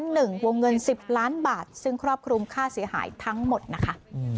วงเงิน๑๐ล้านบาทซึ่งครอบคลุมค่าเสียหายทั้งหมดนะคะ